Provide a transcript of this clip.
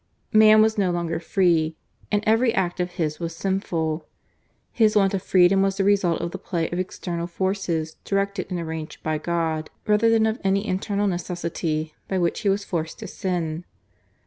Man was no longer free, and every act of his was sinful. His want of freedom was the result of the play of external forces directed and arranged by God, rather than of any internal necessity by which he was forced to sin.